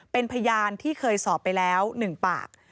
เป็นพยานที่เคยสอบไปแล้ว๑ปาก